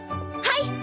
はい！